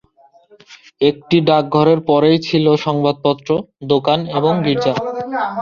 একটি ডাকঘরের পরেই ছিল সংবাদপত্র, দোকান এবং গির্জা।